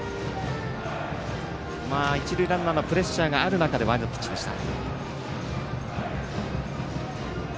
一塁ランナーのプレッシャーがある中でワイルドピッチでした。